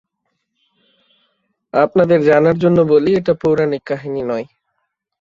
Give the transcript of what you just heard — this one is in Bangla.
আপনাদের জানার জন্য বলি, এটা পৌরাণিক কাহিনী নয়।